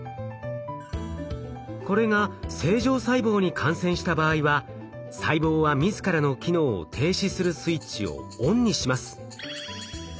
これが正常細胞に感染した場合は細胞は自らの機能を停止するスイッチをＯＮにします。